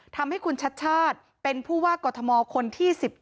ทำให้คุณชัดเป็นผู้ว่ากฏมอลคนที่๑๗